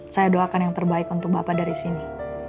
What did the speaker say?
saya doakan yang terbaik untuk bapak dari sini